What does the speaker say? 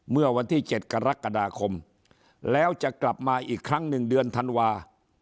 เมื่อวันที่๗กรกฎาคมแล้วจะกลับมาอีกครั้งหนึ่งเดือนธันวา